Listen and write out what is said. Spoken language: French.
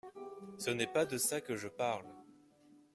Ce n’est pas de ça que je parle.